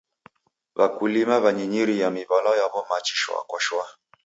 W'akulima w'anyinyiria miw'alwa yaw'o machi shwaa kwa shwaa.